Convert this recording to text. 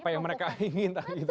apa yang mereka ingin